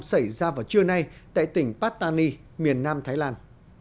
xảy ra vào trưa nay tại tỉnh patani miền nam thái lan